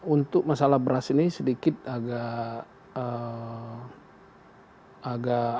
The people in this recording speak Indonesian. untuk masalah beras ini sedikit agak